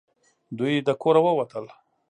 دوی د کوره ووتل .